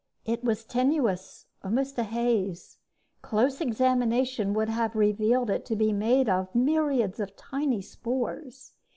It was tenuous, almost a haze. Close examination would have revealed it to be made up of myriads of tiny spores.